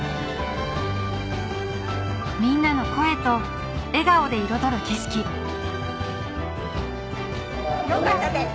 みんなの声と笑顔で彩る景色よかったです